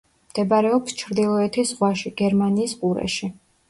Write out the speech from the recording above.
მდებარეობს ჩრდილოეთის ზღვაში, გერმანიის ყურეში.